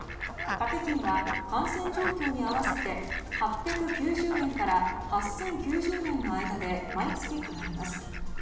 掛け金は感染状況に合わせて８９０円から８０９０円の間で毎月変わります。